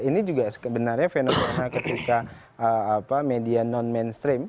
ini juga sebenarnya fenomena ketika media non mainstream